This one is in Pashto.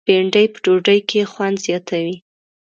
بېنډۍ په ډوډۍ کې خوند زیاتوي